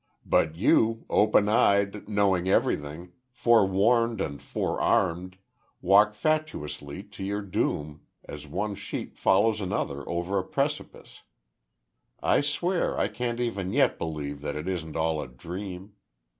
But you open eyed, knowing everything forewarned and forearmed, walk fatuously to your doom as one sheep follows another over a precipice. I swear I can't even yet believe that it isn't all a dream.